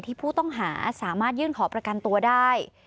ผู้ต้องหาสามารถยื่นขอประกันตัวได้